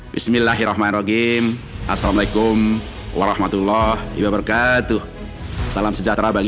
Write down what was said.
bismillahirrahmanirrahim assalamualaikum warahmatullahi wabarakatuh salam sejahtera bagi